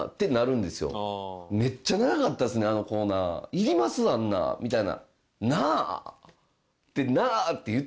「いります？あんな」みたいな。